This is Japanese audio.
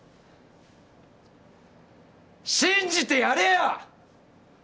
信じてやれよ！